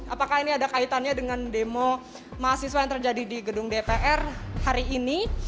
apakah ini ada kaitannya dengan demo mahasiswa yang terjadi di gedung dpr hari ini